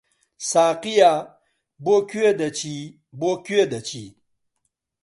ساقییا! بۆ کوێ دەچی، بۆ کوێ دەچی؟